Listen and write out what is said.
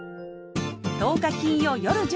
１０日金曜夜１０時